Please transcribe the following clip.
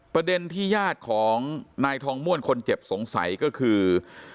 ประเด็นที่ญาติของนายทองม่วนคนเจ็บสงสัยก็คือ